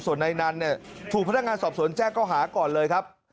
ส่วนนายนันเนี่ยถูกพนักงานสอบสวนแจ้งเขาหาก่อนเลยครับ